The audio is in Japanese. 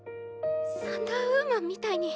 サンダーウーマンみたいに。